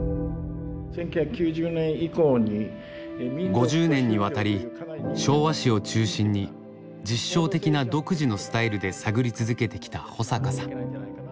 ５０年にわたり昭和史を中心に実証的な独自のスタイルで探り続けてきた保阪さん。